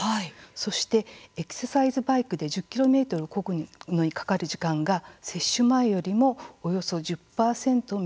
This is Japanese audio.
そして、エクササイズバイクで１０ｋｍこぐのにかかる時間が摂取前よりもおよそ１０％短くなりました。